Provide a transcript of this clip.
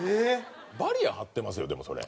バリアー張ってますよでもそれ。